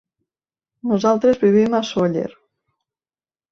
Nosaltres vivim a Sóller.